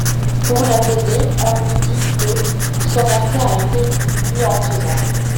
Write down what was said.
Pour l'apaiser, on lui dit que Somerset a été mis en prison.